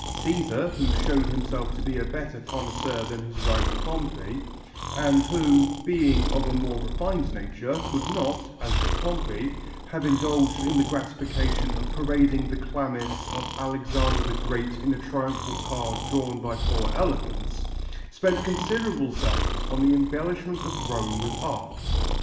Cæsar, who showed himself to be a better connoisseur than his rival Pompey, and who, being of a more refined nature, would not, as did Pompey, have indulged in the gratification of parading the chlamys of Alexander the Great in a triumphal car drawn by four elephants, spent considerable sums on the embellishment of Rome with art.